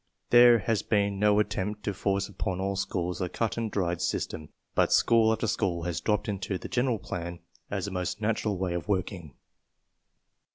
There has been no at tempt to force upon all schools a cut and dried system, but school after school has dropped into the general plan as the most natural way of working.